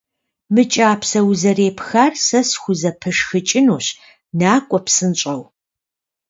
- Мы кӀапсэ узэрепхар сэ схузэпышхыкӀынущ, накӀуэ псынщӀэу!